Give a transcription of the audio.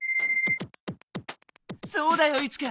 そうだよイチカ！